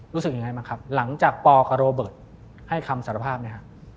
รู้สึกยังไงบ้างครับหลังจากปกับโรเบิร์ตให้คำสารภาพเนี่ยฮะ